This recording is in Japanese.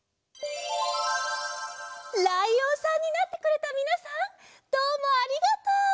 ライオンさんになってくれたみなさんどうもありがとう！